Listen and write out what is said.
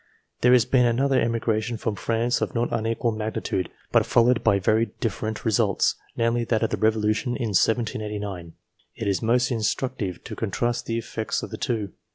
There has been another emigra tion from France of not unequal magnitude, but followed by very different results, namely that of the Revolution in 1789. It is most instructive to contrast the effects of the two.